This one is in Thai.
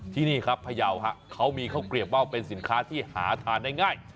ที่นี่ครับพยาวเขามีข้าวเกลียบว่าวเป็นสินค้าที่หาทานได้ง่าย